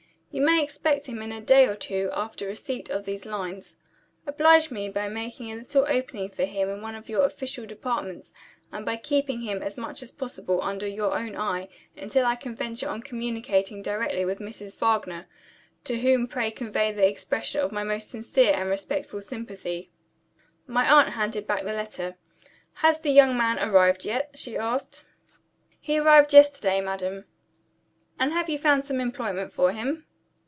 You may expect him in a day or two after receipt of these lines. Oblige me by making a little opening for him in one of your official departments, and by keeping him as much as possible under your own eye, until I can venture on communicating directly with Mrs. Wagner to whom pray convey the expression of my most sincere and respectful sympathy." My aunt handed back the letter. "Has the young man arrived yet?" she asked. "He arrived yesterday, madam." "And have you found some employment for him?"